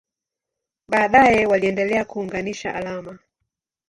Baadaye waliendelea kuunganisha alama.